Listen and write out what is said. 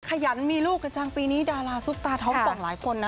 ขยันมีลูกกันจังปีนี้ดาราซุปตาท้องป่องหลายคนนะ